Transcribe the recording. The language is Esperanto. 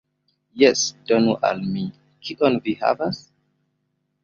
Jes, donu al mi. Kion vi havas?